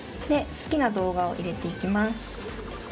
で好きな動画を入れていきます。